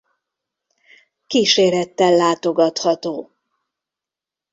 Kísérettel látogatható.